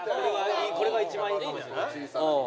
これが一番いいかもしれない。